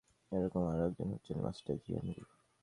এরকম আরো একজন হচ্ছেন মাস্টার জিয়ান লি।